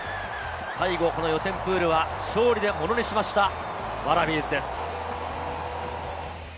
最後、予選プールは勝利でものにしましたワラビーズです。